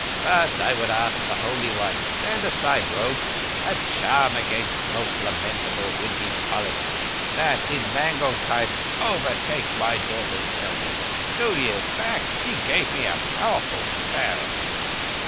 But I would ask thy Holy One—stand aside, rogue—a charm against most lamentable windy colics that in mango time overtake my daughter's eldest. Two years back he gave me a powerful spell."